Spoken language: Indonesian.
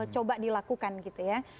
coba dilakukan gitu ya